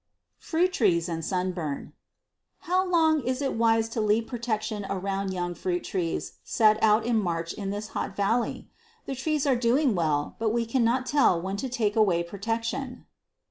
Fruit Trees and Sunburn. How long is it wise to leave protection around young fruit trees set out in March in this hot valley? The trees are doing well, but we could not tell when to take away protection.